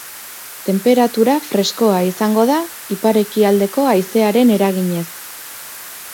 Tenperatura freskoa izango da iparekialdeko haizearen eraginez.